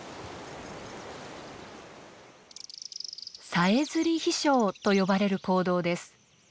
「さえずり飛翔」と呼ばれる行動です。